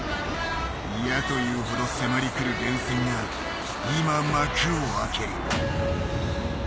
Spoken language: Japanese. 嫌というほど、迫り来る連戦が今、幕を開ける。